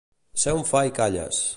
Ser un fa i calles.